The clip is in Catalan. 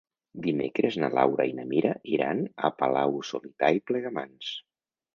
Dimecres na Laura i na Mira iran a Palau-solità i Plegamans.